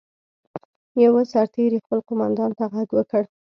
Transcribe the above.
یوه سرتېري خپل قوماندان ته غږ وکړ.